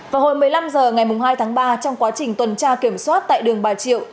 vào hồi một mươi năm h ngày hai tháng ba trong quá trình tuần tra kiểm soát tại đường bà triệu